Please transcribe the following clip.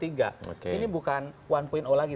ini bukan satu lagi